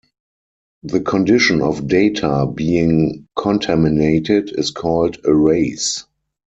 The condition of data being contaminated is called a race.